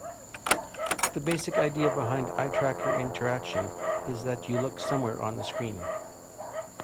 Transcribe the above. The basic idea behind eye tracker interaction is that you look somewhere on the screen.